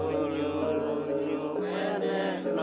lululunyu meneh no